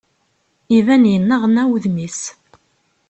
Iban yenneɣna wudem-is.